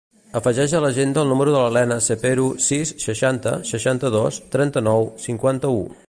Afegeix a l'agenda el número de la Lena Cepero: sis, seixanta, seixanta-dos, trenta-nou, cinquanta-u.